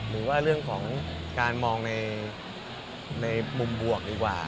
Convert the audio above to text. หรือว่าเรื่องของการมองในมุมบวกดีกว่า